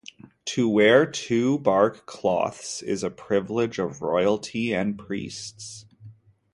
To wear two bark cloths is a privilege of royalty and priests.